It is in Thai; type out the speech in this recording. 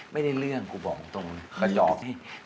ไม่ได้เรื่องกูบอกตรงตะยอบให้